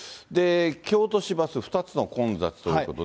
京都市バス、２つの混雑ということで。